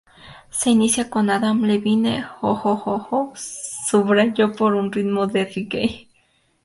Se inicia con Adam Levine, "ooh-ooh-ooh-ooh", subrayó por un ritmo de reggae.